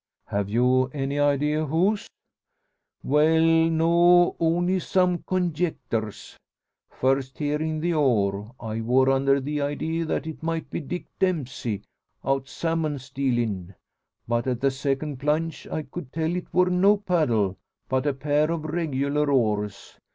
"Have you any idea whose?" "Well, no; only some conjecters. First hearin' the oar, I wor under the idea it might be Dick Dempsey, out salmon stealin'. But at the second plunge I could tell it wor no paddle, but a pair of regular oars.